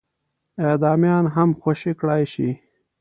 اعدامیان هم خوشي کړای شي.